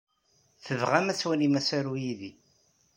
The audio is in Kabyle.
Tebɣam ad twalim asaru yid-i?